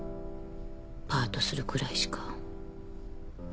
パートするくらいしか。